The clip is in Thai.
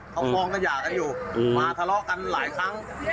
เขาฟ้องก็หย่ากันอยู่มาทะเลาะกันหลายครั้ง